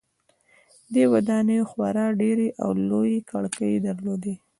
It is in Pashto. دې ودانیو خورا ډیرې او لویې کړکۍ درلودې.